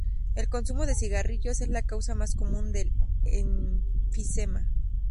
El consumo de cigarrillos es la causa más común del enfisema.